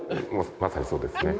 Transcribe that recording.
まさにそうですね。